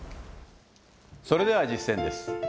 それでは実践です。